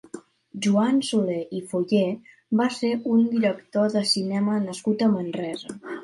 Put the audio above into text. Joan Soler i Foyé va ser un director de cinema nascut a Manresa.